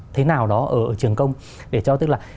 thế nào đó ở trường công để cho tức là